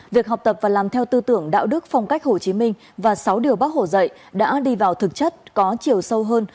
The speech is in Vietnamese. việc học tập và làm theo tư tưởng đạo đức phong cách hồ chí minh và sáu điều bác hồ dạy đã đi vào thực chất có chiều sâu hơn